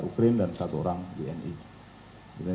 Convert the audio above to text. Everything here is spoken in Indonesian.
ukraine dan satu orang wni